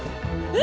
え？